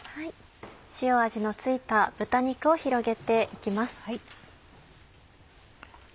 塩味のついた豚肉を広げて行きます。